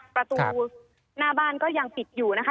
ประตูหน้าบ้านก็ยังปิดอยู่นะคะ